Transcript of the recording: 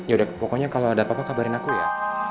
yaudah pokoknya kalau ada apa apa kabarin aku ya